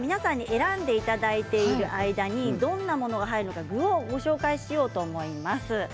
選んでいただいている間にどんなものが入るのかご紹介しようと思います。